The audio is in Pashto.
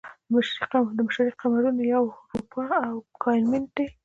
د مشتری قمرونه یوروپا او ګانیمید دي.